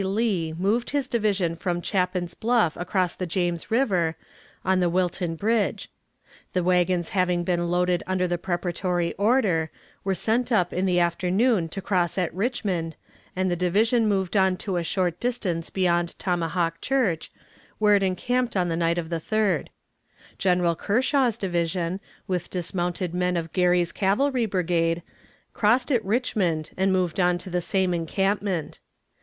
Lee moved his division from Chapin's Bluff across the James River, on the Wilton Bridge; the wagons having been loaded under the preparatory order, were sent up in the afternoon to cross at Richmond, and the division moved on to a short distance beyond Tomahawk Church, where it encamped on the night of the 3d. General Kershaw's division, with dismounted men of Gary's cavalry brigade, crossed at Richmond and moved on to the same encampment.